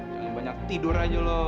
jangan banyak tidur aja lo